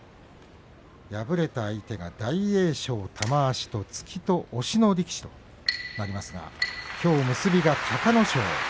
敗れた相手が大栄翔、玉鷲と突きと押しの力士となりますがきょう結びが隆の勝。